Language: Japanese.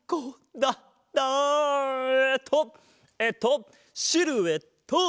えっとえっとシルエット！